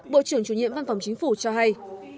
bộ trưởng chủ nhiệm văn phòng chính phủ cho hay